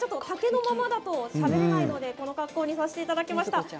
竹のままだとしゃべれないのでこの格好にさせていただきました。